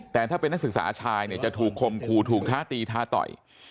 แต่ถ้าเป็นนักศึกษาชายเนี่ยจะถูกคมคู่ถูกท้าตีท้าต่อย